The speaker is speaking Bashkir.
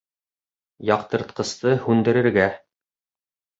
Яҡтыртҡысты һүндерергә.